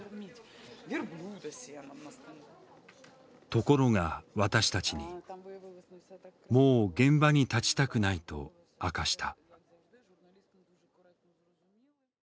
ところが私たちにもう現場に立ちたくないと明かした。